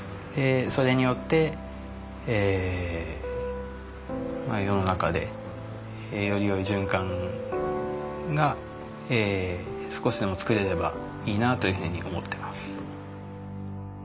それによって世の中でよりよい循環が少しでも作れればいいなというふうに思ってます。